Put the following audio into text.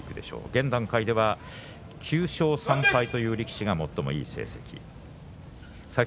現段階では９勝３敗という力士が最もいい成績です。